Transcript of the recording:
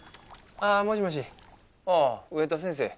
あもしもしああ上田先生。